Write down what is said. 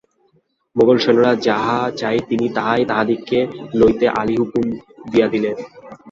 মোগল-সৈন্যরা যাহা চায় তিনি তাহাই তাহাদিগকে লইতে আলী হুকুম দিয়া দিলেন।